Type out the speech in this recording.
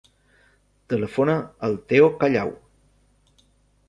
Telefona al Theo Callau.